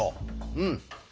うん。